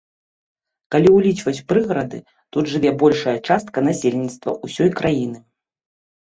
Калі ўлічваць прыгарады, тут жыве большая частка насельніцтва ўсёй краіны.